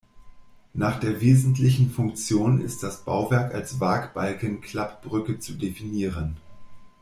Nach der wesentlichen Funktion ist das Bauwerk als Waagbalken-Klappbrücke zu definieren.